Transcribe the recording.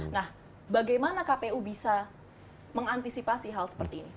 nah bagaimana kpu bisa mengantisipasi hal seperti ini